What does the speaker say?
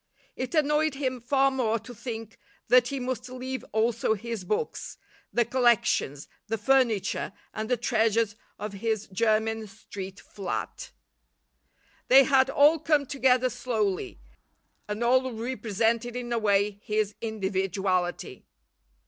It annoyed him far more to think that he must leave also his books, the collections, the furniture and the treasures of his Jermyn Street flat. They had all come together slowly, and all represented in a way his individuality.